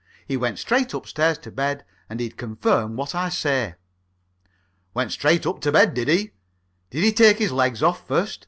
He went straight upstairs to bed, or he'd confirm what I say." "Went straight up to bed, did he? Did he take his legs off first?